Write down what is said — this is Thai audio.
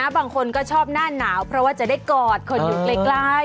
บางคนก็ชอบหน้าหนาวเพราะว่าจะได้กอดคนอยู่ใกล้